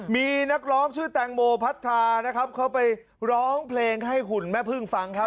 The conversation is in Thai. มีนักร้องชื่อแตงโมพัทรานะครับเขาไปร้องเพลงให้หุ่นแม่พึ่งฟังครับ